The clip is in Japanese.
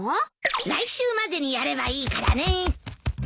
来週までにやればいいからね。